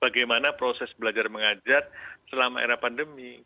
bagaimana proses belajar mengajar selama era pandemi